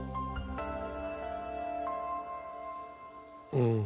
うん。